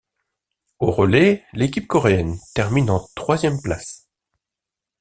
Au relais, l'équipe coréenne termine en troisième place.